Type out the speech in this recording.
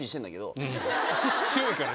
強いからね。